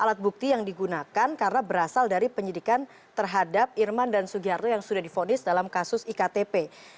alat bukti yang digunakan karena berasal dari penyidikan terhadap irman dan sugiharto yang sudah difonis dalam kasus iktp